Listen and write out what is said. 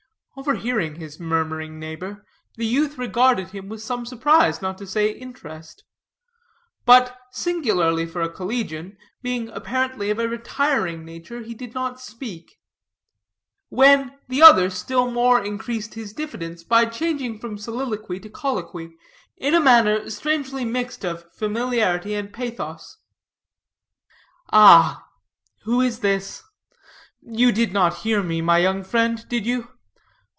Overhearing his murmuring neighbor, the youth regarded him with some surprise, not to say interest. But, singularly for a collegian, being apparently of a retiring nature, he did not speak; when the other still more increased his diffidence by changing from soliloquy to colloquy, in a manner strangely mixed of familiarity and pathos. "Ah, who is this? You did not hear me, my young friend, did you?